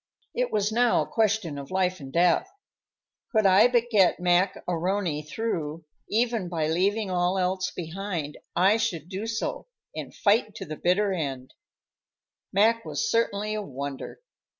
It was now a question of life and death. Could I but get Mac A'Rony through, even by leaving all else behind, I should do so and fight to the bitter end. Mac was certainly a wonder.